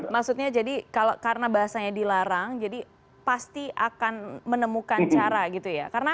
maksudnya jadi karena bahasanya dilarang jadi pasti akan menemukan cara gitu ya